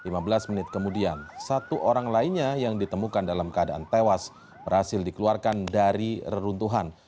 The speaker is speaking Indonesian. lima belas menit kemudian satu orang lainnya yang ditemukan dalam keadaan tewas berhasil dikeluarkan dari reruntuhan